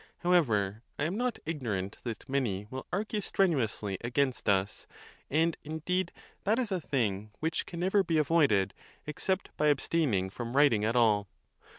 However, I am not ignorant that many will argue strenuously against us; and, indeed, that is a thing which can never be avoided, except by abstaining from writing at all.